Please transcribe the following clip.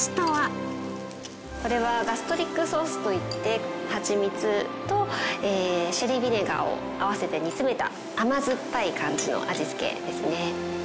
これはガストリックソースといってハチミツとシェリービネガーを合わせて煮詰めた甘酸っぱい感じの味付けですね。